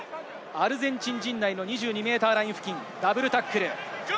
アルゼンチン陣内の２２ｍライン付近、ダブルタックル。